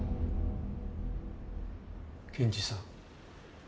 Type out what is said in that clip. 検事さん。